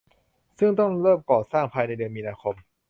ซึ่งต้องเริ่มก่อสร้างภายในเดือนมีนาคม